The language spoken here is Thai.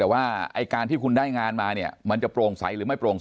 แต่ว่าไอ้การที่คุณได้งานมาเนี่ยมันจะโปร่งใสหรือไม่โปร่งใส